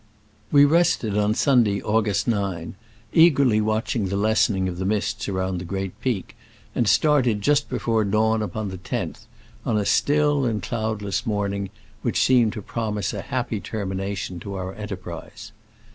We rested on Sunday, August 9, eagerly watching the lessening of the mists around the great peak, and start ed just before dawn upon the loth, on a still and cloudless morning, which seemed to promise a happy termination to our enterprise.